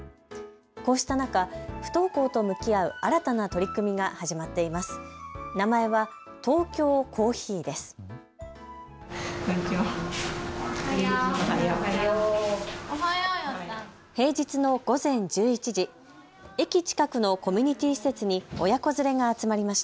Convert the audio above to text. こうした中、不登校と向き合う新たな取り組みが始まっています。